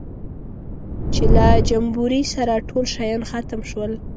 چې له جمبوري سره ټول شیان ختم شول.